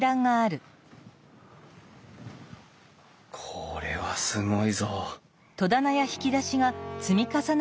これはすごいぞ！